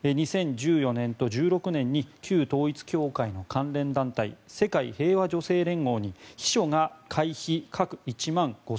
２０１４年と１６年に旧統一教会の関連団体世界平和女性連合に秘書が会費、各１万５０００円